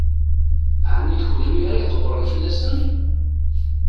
Ɛni d kenwi ara ydebbṛen fell-asen?